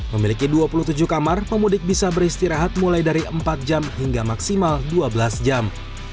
memiliki dua puluh tujuh kamar pemudik bisa beristirahat mulai dari empat jam hingga maksimal dua belas jam